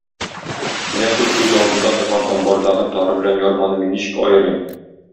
Менә шул күз алдында торган амбардагы тары белән ярманы мин ничек аерыйм?